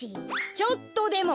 ちょっとでも！